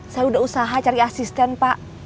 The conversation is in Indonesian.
saya susah cari asisten pak